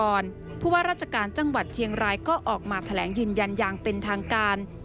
เพราะว่าราชการจังหวัดเชียงรายก็ออกมาแถลงยืนยันอย่างเป็นทางการ